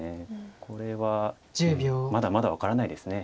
これはまだまだ分からないです。